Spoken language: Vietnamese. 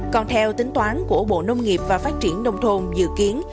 còn theo tính toán của bộ nông nghiệp và phát triển nông thôn dự kiến